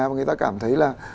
và người ta cảm thấy là